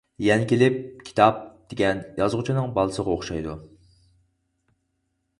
يەنە كېلىپ كىتاب دېگەن يازغۇچىنىڭ بالىسىغا ئوخشايدۇ.